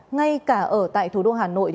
ngay cả ở tại thủ đô hà nội